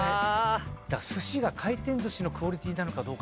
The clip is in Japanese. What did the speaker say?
すしが回転寿司のクオリティーなのか。